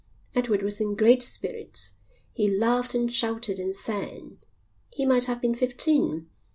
Edward was in great spirits. He laughed and shouted and sang. He might have been fifteen.